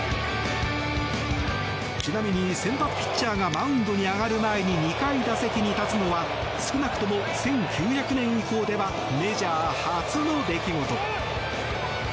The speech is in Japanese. ちなみに先発ピッチャーがマウンドに上がる前に２回打席に立つのは少なくとも１９００年以降ではメジャー初の出来事。